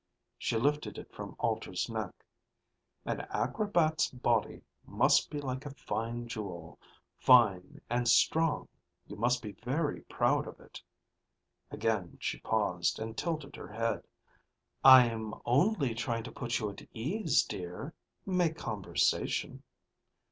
She lifted it from Alter's neck. "An acrobat's body must be like a fine jewel, fine and strong. You must be very proud of it." Again she paused and tilted her head. "I'm only trying to put you at ease, dear, make conversation."